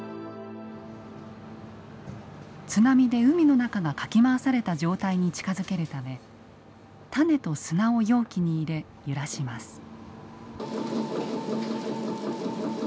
津波で海の中がかき回された状態に近づけるため種と砂を容器に入れ揺らします。